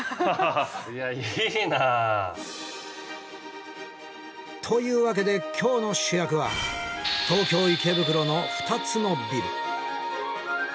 いやいいなあ。というわけで今日の主役は東京・池袋の２つのビル。